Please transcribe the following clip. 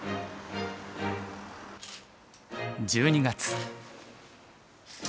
１２月。